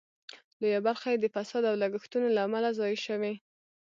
لویه برخه یې د فساد او لګښتونو له امله ضایع شوې.